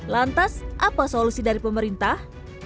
lantas apa solusi dari pemerintah